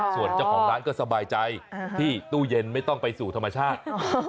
ส่วนเจ้าของร้านก็สบายใจที่ตู้เย็นไม่ต้องไปสู่ธรรมชาติ